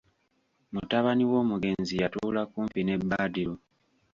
Mutabani w'Omugenzi yatuula kumpi ne Badru.